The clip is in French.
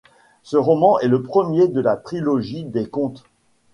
Ce roman est le premier de la trilogie des Contes.